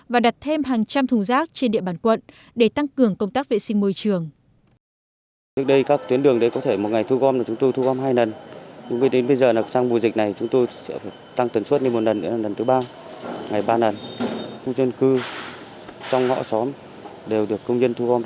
và đặt thêm hàng trăm thùng rác trên địa bàn quận để tăng cường công tác vệ sinh môi trường